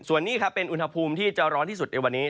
ส่วนนี้ครับเป็นอุณหภูมิที่จะร้อนที่สุดในวันนี้